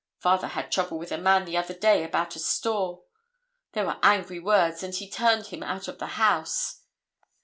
Father had trouble with a man the other day about a store. There were angry words, and he turned him out of the house."